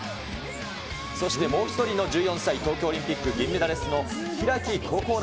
そしてもう１人の１４歳、東京オリンピック銀メダリストの開心那。